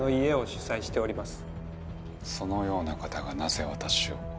そのような方がなぜ私を？